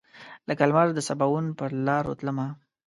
لکه لمر دسباوون پر لاروتلمه